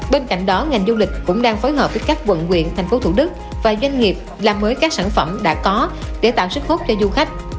bên cạnh đó ngành du lịch cũng đang phối hợp với các quận nguyện thành phố thủ đức và doanh nghiệp làm mới các sản phẩm đã có để tạo sức hút cho du khách